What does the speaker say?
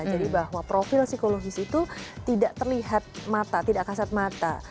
jadi bahwa profil psikologis itu tidak terlihat mata tidak kasat mata